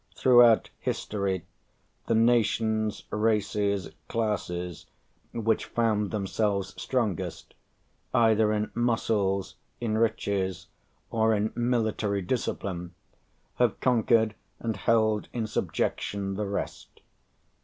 Throughout history, the nations, races, classes, which found themselves strongest, either in muscles, in riches, or in military discipline, have conquered and held in subjection the rest.